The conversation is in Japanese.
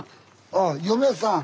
ああ嫁さん。